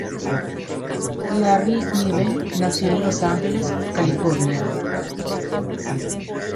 Larry Niven nació en Los Ángeles, California.